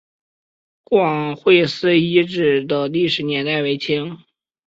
广惠寺遗址的历史年代为清。